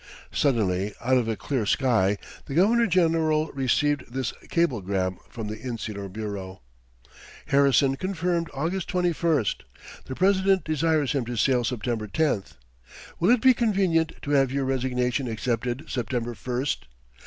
Suddenly out of a clear sky, the Governor General received this cablegram from the Insular Bureau: "Harrison confirmed August 21st. The President desires him to sail September 10th. Will it be convenient to have your resignation accepted September 1st.